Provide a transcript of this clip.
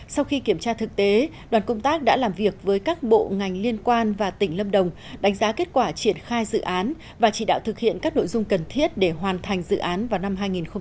sau khi kiểm tra thực tế đoàn công tác đã làm việc với các bộ ngành liên quan và tỉnh lâm đồng đánh giá kết quả triển khai dự án và chỉ đạo thực hiện các nội dung cần thiết để hoàn thành dự án vào năm hai nghìn hai mươi